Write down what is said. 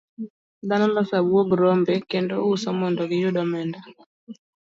Dhano loso abuog rombe kendo uso mondo giyud omenda.